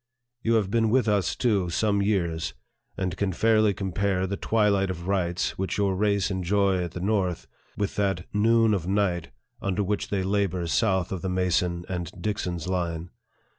You have been with us, too, some years, and can fairly compare the twilight of rights, which your race enjoy at the North, with that " noon of night " under which they labor south of Mason and Dixon's line.